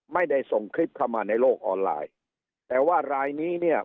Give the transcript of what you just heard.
ไม่ได้ส่งคลิปเข้ามาในโลกออนไลน์แต่ว่ารายนี้เนี่ย